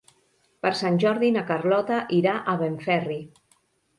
Per Sant Jordi na Carlota irà a Benferri.